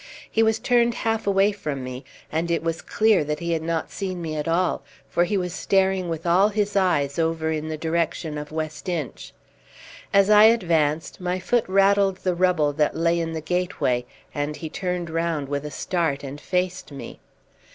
He was turned half away from me, and it was clear that he had not seen me at all, for he was staring with all his eyes over in the direction of West Inch. As I advanced my foot rattled the rubble that lay in the gateway, and he turned round with a start and faced me.